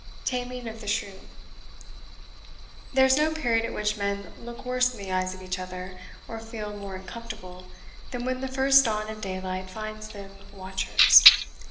TAMING OF THE SHREW. There is no period at which men look worse in the eyes of each other, or feel more uncomfortable, than when the first dawn of daylight finds them watchers.